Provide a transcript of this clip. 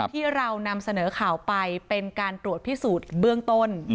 ที่เรานำเสนอข่าวไปเป็นการตรวจพิสูจน์เบื้องต้น